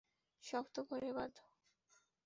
শক্ত করে বাঁধ।